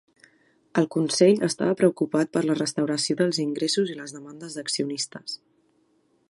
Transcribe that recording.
El consell estava preocupat per la restauració dels ingressos i les demandes d'accionistes.